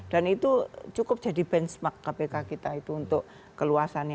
dan itu cukup jadi benchmark kpk kita itu untuk keluasan